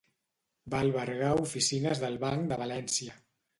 Va albergar oficines del Banc de València.